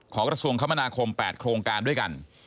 ของรัฐส่วนคมนาคม๘โครงการด้วยกัน